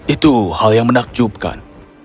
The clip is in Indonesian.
itu hal yang menakjubkan